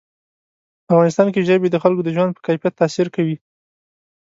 په افغانستان کې ژبې د خلکو د ژوند په کیفیت تاثیر کوي.